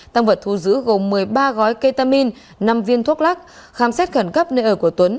tăng vật thu giữ gồm một mươi ba gói ketamin năm viên thuốc lắc khám xét khẩn cấp nơi ở của tuấn